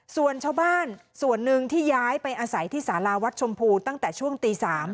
ส่วนชาวบ้านส่วนหนึ่งที่ย้ายไปอาศัยที่สาราวัดชมพูตั้งแต่ช่วงตี๓